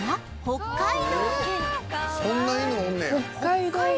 北海道犬。